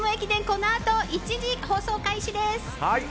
このあと１時放送開始です。